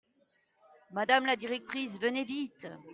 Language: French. Madame la directrice, venez vite.